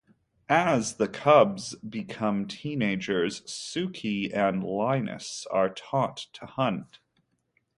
As the cubs become teenagers, Suki and Linus are being taught to hunt.